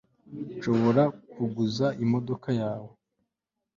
nshobora kuguza imodoka yawe